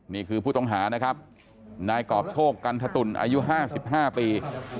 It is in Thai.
ผู้ต้องหานะครับนายกรอบโชคกันทตุลอายุ๕๕ปี